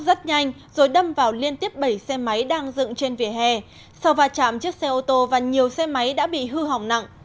rất nhanh rồi đâm vào liên tiếp bảy xe máy đang dựng trên vỉa hè sau va chạm chiếc xe ô tô và nhiều xe máy đã bị hư hỏng nặng